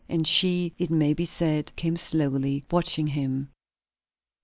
And she, it may be said, came slowly, watching him.